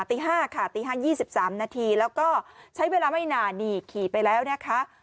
ตี๕ค่ะตี๕๒๓นาทีแล้วก็ใช้เวลาไม่นานนี่ขี่ไปแล้วนะคะ